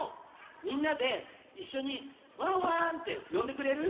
みんなでいっしょに「ワンワン」ってよんでくれる？